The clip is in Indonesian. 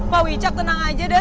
pak wicak tenang aja deh